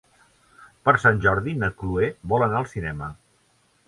Per Sant Jordi na Chloé vol anar al cinema.